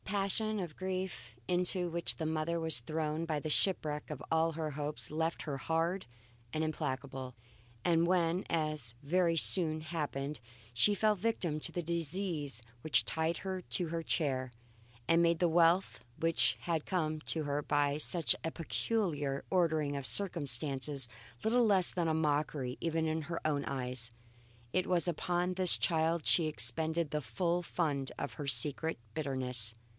The passion of grief into which the mother was thrown by the shipwreck of all her hopes left her hard and implacable, and when, as very soon happened, she fell a victim to the disease which tied her to her chair and made the wealth which had come to her by such a peculiar ordering of circumstances little else than a mockery even in her own eyes, it was upon this child she expended the full fund of her secret bitterness.